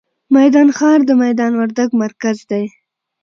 میدان ښار، د میدان وردګ مرکز دی.